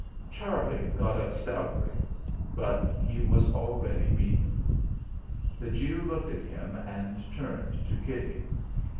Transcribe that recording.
Charlie got up stoutly; but he was already beaten. The Jew looked at him, and turned to Kitty.